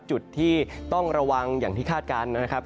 จุดที่ต้องระวังอย่างที่คาดการณ์นะครับ